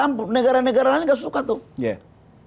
kan negara negara lain gak suka tuh